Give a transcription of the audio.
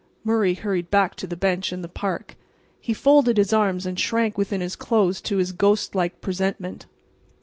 Murray hurried back to the bench in the park. He folded his arms and shrank within his clothes to his ghost like presentment.